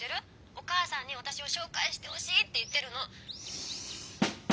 お母さんに私を紹介してほしいって言ってるの。